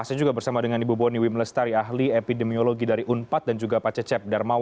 terima kasih pak cecep